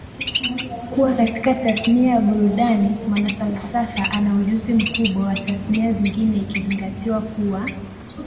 kuwa katika tasnia ya burudani MwanaFalsafa ana ujuzi mkubwa wa tasnia zingine ikizingatiwa kuwa